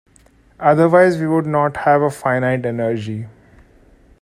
Otherwise, we would not have a finite energy.